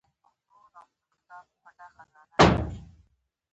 خپله دنده مو پای ته ورسوله.